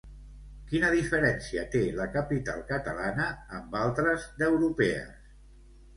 Quina diferència té la capital catalana amb altres d'europees?